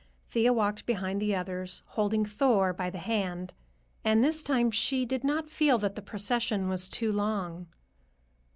Thea walked behind the others, holding Thor by the hand, and this time she did not feel that the procession was too long.